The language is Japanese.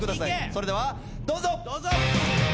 それではどうぞ。